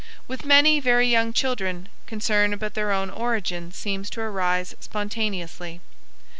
With many very young children, concern about their own origin seems to arise spontaneously.